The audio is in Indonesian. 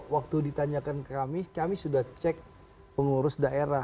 waktu ditanyakan ke kami kami sudah cek pengurus daerah